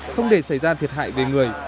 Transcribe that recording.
không để xảy ra thiệt hại về người